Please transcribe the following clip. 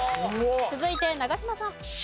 続いて長嶋さん。